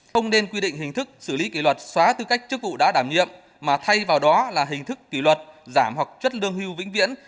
không nên quy định hình thức xử lý kỷ luật xóa tư cách chức vụ đã đảm nhiệm mà thay vào đó là hình thức kỷ luật giảm hoặc chất lương hưu vĩnh viễn